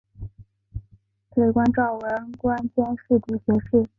累官昭文馆兼侍读学士。